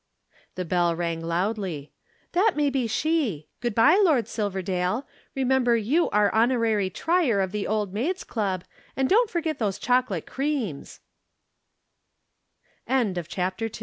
The bell rang loudly. "That may be she. Good bye, Lord Silverdale. Remember you are Honorary Trier of the Old Maids' Club, and don't forget those chocolate cr